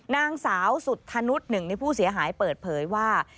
นางสาวสุธนุษย์หนึ่งในผู้เสียหายเปิดเผยว่า